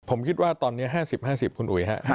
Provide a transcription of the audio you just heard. ผมคิดว่าตอนนี้๕๐๕๐คุณอุ๋ยฮะ